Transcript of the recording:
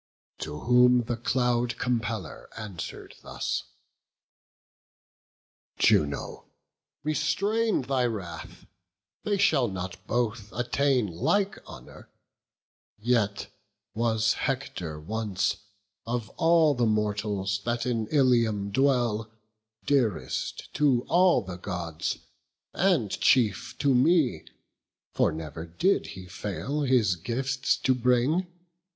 To whom the Cloud compeller answer'd thus: "Juno, restrain thy wrath; they shall not both Attain like honour; yet was Hector once, Of all the mortals that in Ilium dwell, Dearest to all the Gods, and chief to me; For never did he fail his gifts to bring.